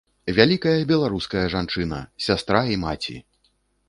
Вялікая беларуская жанчына, сястра і маці!